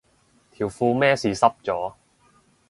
條褲咩事濕咗